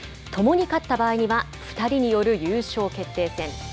共に勝った場合には２人による優勝決定戦。